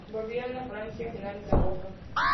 Volvieron a Francia a finales de agosto.